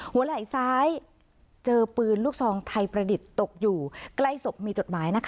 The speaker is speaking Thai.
ไหล่ซ้ายเจอปืนลูกซองไทยประดิษฐ์ตกอยู่ใกล้ศพมีจดหมายนะคะ